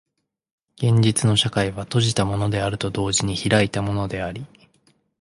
現実の社会は閉じたものであると同時に開いたものであり、